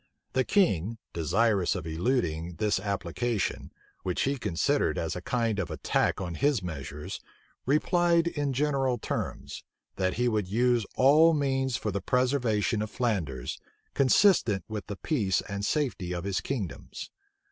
The king, desirous of eluding this application, which he considered as a kind of attack on his measures, replied in general terms, that he would use all means for the preservation of Flanders, consistent with the peace and safety of his kingdoms.